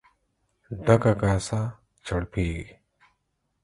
ډکه کاسه چړپېږي.